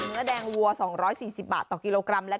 เนื้อแดงวัว๒๔๐บาทต่อกิโลกรัม